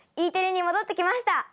Ｅテレに戻ってきました。